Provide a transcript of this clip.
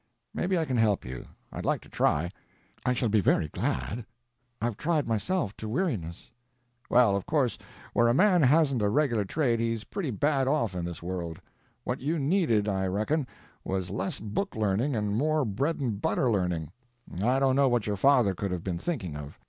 "Maybe I can help you; I'd like to try." "I shall be very glad. I've tried, myself, to weariness." "Well, of course where a man hasn't a regular trade he's pretty bad off in this world. What you needed, I reckon, was less book learning and more bread and butter learning. I don't know what your father could have been thinking of.